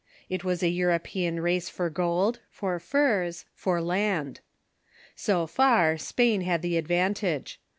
It was a European race for gold, for furs, for land. So far, Spain had the advantage.